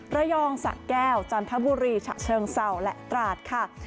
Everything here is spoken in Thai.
ระยองสะแก้วจันทบุรีฉะเชิงเศร้าและตราดค่ะ